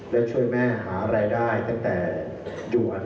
และช่วยแม่หารายได้ตั้งแต่อยู่อันวันสอง